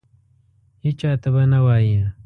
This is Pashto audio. هیچا ته به نه وایې !